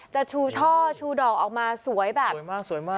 จะชูช่อชูดอกออกมาสวยแบบสวยมากสวยมาก